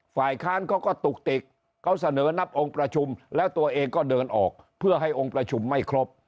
ฝ่ายค้านเขาก็ตุกติกเขาเสนอนับองค์ประชุมแล้วตัวเองก็เดินออกเพื่อให้องค์ประชุมไม่ครบ